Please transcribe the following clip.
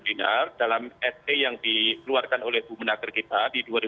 dalam st yang dikeluarkan oleh bu menakar kita di dua ribu dua puluh satu